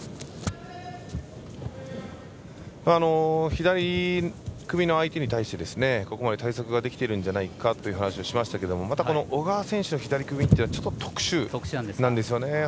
左組みの相手に対してここまで対策ができているんじゃないかという話をしましたけどまた小川選手の左組みってまたちょっと特殊なんですよね。